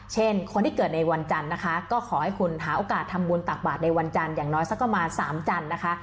เช่นคนที่เกิดในวันจันทร์นะคะก็ขอให้คุณหาโอกาสทำบุญตักบาทในวันจันทร์อย่างน้อยสักประมาณ๓จันทร์นะคะ